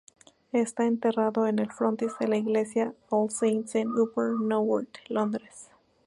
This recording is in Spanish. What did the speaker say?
Está enterrado en el frontis de la iglesia All Saints en Upper Norwood, Londres.